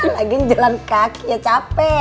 lagi jalan kaki ya capek